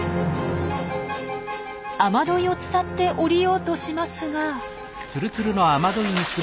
雨どいを伝って下りようとしますが。